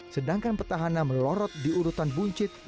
sedangkan petahana melorot di urutan buncit